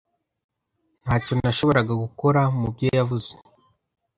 Ntacyo nashoboraga gukora mubyo yavuze.